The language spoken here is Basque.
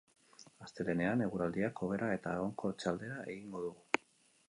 Astelehenean eguraldiak hobera eta egonkortze aldera egingo du.